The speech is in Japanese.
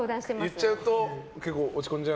言っちゃうと結構落ち込んじゃう。